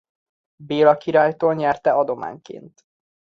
Béla királytól nyerte adományként.